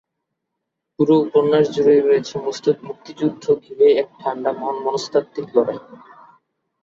পুরো উপন্যাস জুড়েই রয়েছে মুক্তিযুদ্ধ ঘিরে এক ঠান্ডা মনস্তাত্ত্বিক লড়াই।